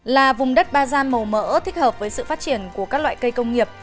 là vùng đất ba gian màu mỡ thích hợp với sự phát triển của các loại cây công nghiệp